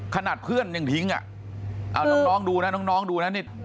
ขนาดเพื่อนยังทิ้งอ่ะเอาน้องดูนะน้องดูนะนี่